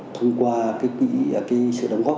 thông qua sự đóng góp